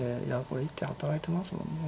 これ一手働いてますもんね。